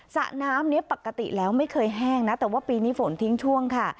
สระน้ำนี้ปกติแล้วไม่เคยแห้งนะแต่ว่าปีนี้ฝนทิ้งช่วงค่ะ